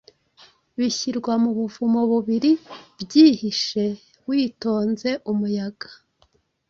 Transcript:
Bishyirwa mu buvumo bubiri Byihishe witonze umuyaga,